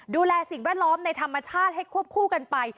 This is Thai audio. ดูแลสิ่งแวดล้อมในธรรมชาติให้ควบคู่กันไป